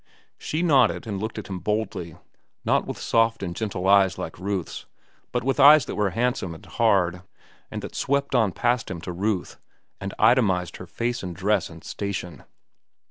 She nodded and looked at him boldly, not with soft and gentle eyes like Ruth's, but with eyes that were handsome and hard, and that swept on past him to Ruth and itemized her face and dress and station.